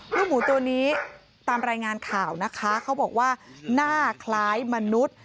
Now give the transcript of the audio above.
ลูกหมูตัวนี้ตามรายงานข่าวนะคะเขาบอกว่าหน้าคล้ายมนุษย์